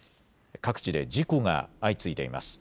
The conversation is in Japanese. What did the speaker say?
各地で事故が相次いでいます。